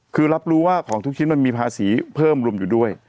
คือรับรู้ว่าของทุกชิ้นมันมีภาษีเพิ่มรวมอยู่ด้วย